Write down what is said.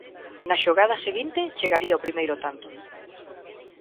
Na xogada seguinte chegaría o primeiro tanto.